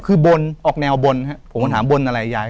คือบนออกแนวบนครับผมก็ถามบนอะไรยาย